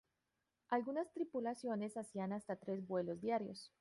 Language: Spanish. Algunas tripulaciones hacían hasta tres vuelos diarios.